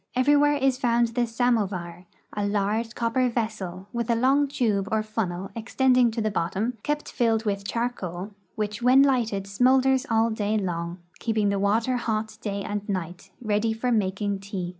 Everywhere is found the samovar, a large copper vessel, with a long tube or funnel extending to the bottom, kept filled with charcoal, which when lighted smoulders all day long, keeping the water hot day and night, ready for making tea.